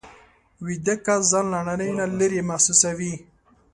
ویده کس ځان له نړۍ نه لېرې محسوسوي